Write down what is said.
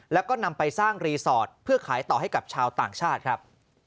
แล้วก็นำไปสร้างรีสอร์ทเพื่อขายต่อให้กับชาวต่างชาติครับ